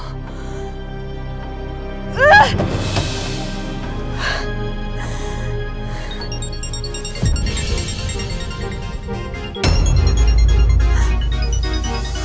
gak usah pura pura